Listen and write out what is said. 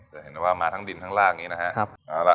จะเห็นได้ว่ามาทั้งดินทั้งล่างนี้นะครับ